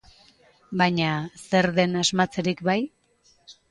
Baina, zer den asmatzerik bai?